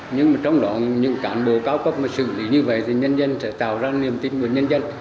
nhưng mà trong đó những cán bộ cao cấp mà xử lý như vậy thì nhân dân sẽ tạo ra niềm tin của nhân dân